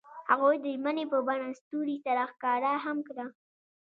هغوی د ژمنې په بڼه ستوري سره ښکاره هم کړه.